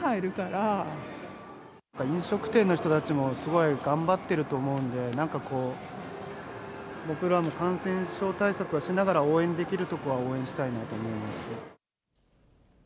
飲食店の人たちも、すごい頑張ってると思うんで、なんかこう、僕らも感染症対策はしながら、応援できるところは応援したいなと思います。